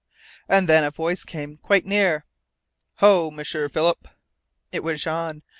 And then a voice came, quite near: "Ho, M'sieur Philip!" It was Jean!